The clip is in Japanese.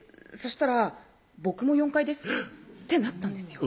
したら「僕も４階です」ってなったんですよ